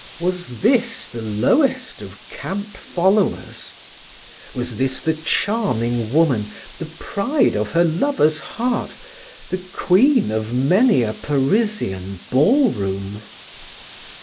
Was this the lowest of camp followers? Was this the charming woman, the pride of her lover's heart, the queen of many a Parisian ballroom?